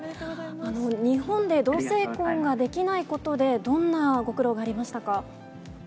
日本で同性婚ができないことで、どんなご苦労がありましたか？